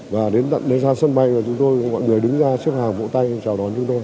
và đến tận đấy ra sân bay là chúng tôi mọi người đứng ra xếp hàng vỗ tay chào đón chúng tôi